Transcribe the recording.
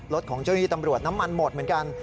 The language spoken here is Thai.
รถของเจ้าหน้าที่ตำรวจน้ำมันหมดเหมือนกัน